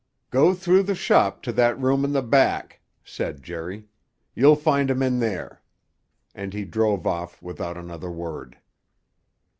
"Go through the shop to that room in the back," said Jerry. "You'll find him in there." And he drove off without another word.